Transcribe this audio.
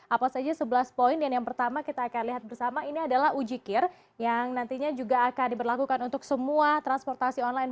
apa saja sebelas poin dan yang pertama kita akan lihat bersama ini adalah ujikir yang nantinya juga akan diberlakukan untuk semua transportasi online